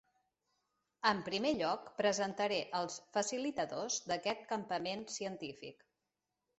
En primer lloc, presentaré els facilitadors d'aquest campament científic.